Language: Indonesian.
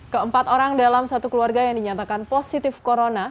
keempat orang dalam satu keluarga yang dinyatakan positif corona